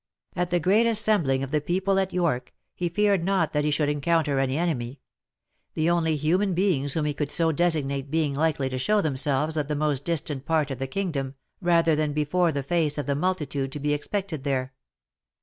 At the great assembling of the people at York, he feared not that he should encounter any enemy ; the only human beings whom he could so designate being likely to show themselves at the most distant part of the kingdom, rather than before the face of the multitude to be ex pected there.